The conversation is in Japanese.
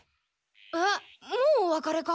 えっもうおわかれか？